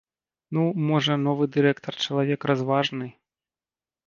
Ну, можа, новы дырэктар чалавек разважны.